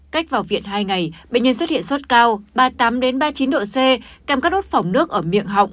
cách vào viện hai ngày bệnh nhân xuất hiện sốt cao ba mươi tám ba mươi chín độ c kèm các đốt phòng nước ở miệng họng